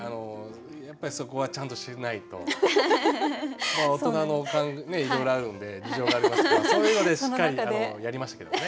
そこはちゃんとしないと大人のいろいろあるんで事情がありますからそういうのでしっかりやりましたけどね。